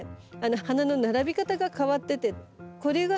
花の並び方が変わっててこれがね